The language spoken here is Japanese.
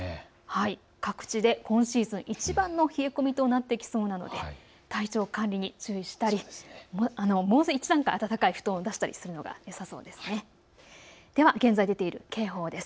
各地で今シーズンいちばんの冷え込みとなってきそうなので体調管理に注意したりもう一段階、暖かい布団を出したりするのがいいかと思います。